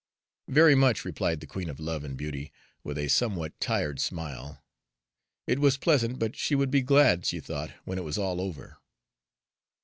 "Very much," replied the Queen of Love and Beauty, with a somewhat tired smile. It was pleasant, but she would be glad, she thought, when it was all over.